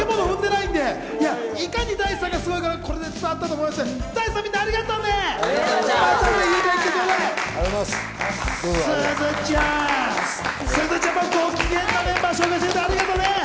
いかにＤａ−ｉＣＥさんがすごいかこれで伝わったと思います。